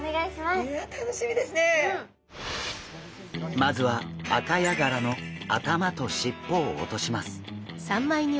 まずはアカヤガラの頭と尻尾を落とします。